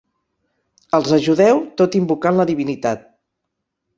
Els ajudeu tot invocant la divinitat.